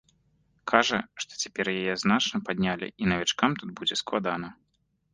Кажа, што цяпер яе значна паднялі і навічкам тут будзе складана.